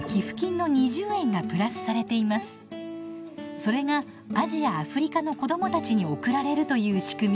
それがアジア・アフリカの子どもたちに送られるという仕組み。